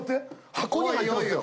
箱に入ってますよ。